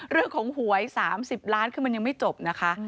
เรื่องของหวย๓๐ล้านคือมันยังไม่จบนะคะ